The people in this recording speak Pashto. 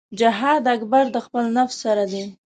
جهاد اکبر د خپل نفس سره دی .